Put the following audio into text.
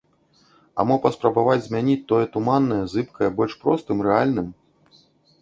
А мо паспрабаваць змяніць тое туманнае, зыбкае больш простым, рэальным?